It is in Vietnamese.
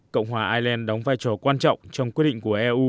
cộng hòa ai lê đóng vai trò quan trọng trong quyết định của eu